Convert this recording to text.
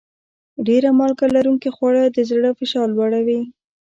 ډېر مالګه لرونکي خواړه د زړه فشار لوړوي.